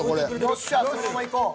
よっしゃこのままいこう。